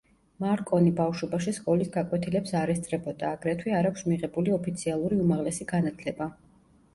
მარკონი ბავშვობაში სკოლის გაკვეთილებს არ ესწრებოდა, აგრეთვე არ აქვს მიღებული ოფიციალური უმაღლესი განათლება.